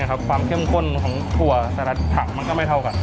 ความเข้มข้นของถั่วแต่ละถังมันก็ไม่เท่ากัน